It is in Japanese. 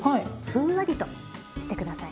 ふんわりとして下さい。